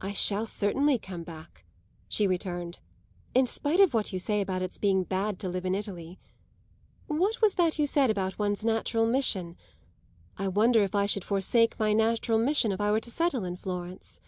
"I shall certainly come back," she returned, "in spite of what you say about its being bad to live in Italy. What was that you said about one's natural mission? I wonder if I should forsake my natural mission if I were to settle in Florence."